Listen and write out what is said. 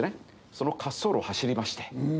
その滑走路を走りまして。